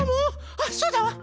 あっそうだわ。